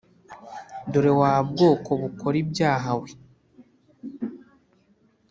Dore wa bwoko bukora ibyaha we,